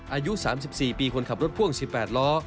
อายุ๓๔ปีคนขับรถพ่วง๑๘ล้อ